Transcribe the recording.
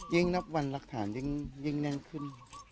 ยิ่งนับวันรักฐานยิ่งแน่นขึ้น